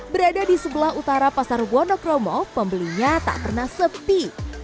berada di sebelah utara pasar wonokromo pembelinya tak pernah sepi